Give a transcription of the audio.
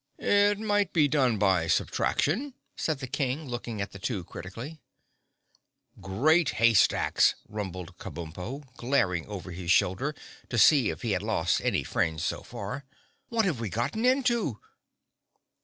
"It might be done by subtraction," said the King, looking at the two critically. "Great hay stacks!" rumbled Kabumpo, glaring over his shoulder to see if he had lost any fringe so far. "What have we gotten into?"